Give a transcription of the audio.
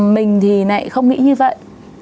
mình thì lại không nghĩ như vậy